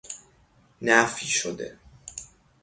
نفی شده